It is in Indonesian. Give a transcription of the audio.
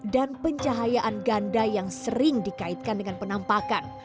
dan pencahayaan ganda yang sering dikaitkan dengan penampakan